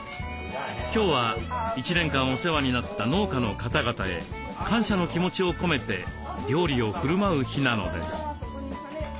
今日は１年間お世話になった農家の方々へ感謝の気持ちを込めて料理をふるまう日なのです。